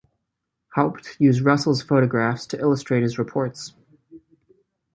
Haupt used Russell's photographs to illustrate his reports.